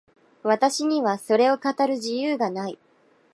私にはそれを語る自由がない。